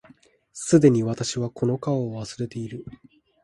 既に私はこの顔を忘れている